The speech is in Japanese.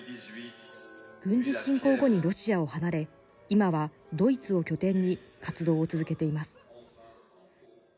軍事侵攻後にロシアを離れ今は、ドイツを拠点に活動を続けています。